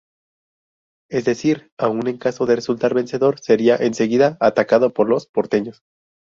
Es decir, aún en caso de resultar vencedor, sería enseguida atacado por los porteños.